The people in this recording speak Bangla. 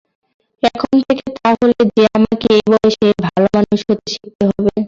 এখন থেকে তা হলে যে আমাকে এই বয়সে ভালোমানুষ হতে শিখতে হবে।